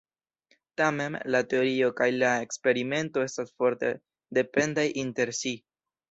Tamen, la teorio kaj la eksperimento estas forte dependaj inter si.